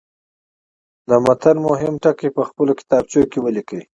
د متن مهم ټکي په خپلو کتابچو کې ولیکئ.